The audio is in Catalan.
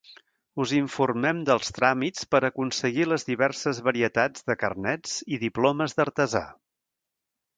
Us informem dels tràmits per aconseguir les diverses varietats de carnets i diplomes d'artesà.